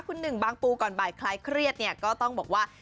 คุณหนึ่งบางปูก่อนบ่ายคลายเครียดเนี่ยก็ต้องบอกว่า